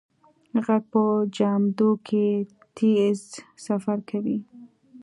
غږ په جامدو کې تېز سفر کوي.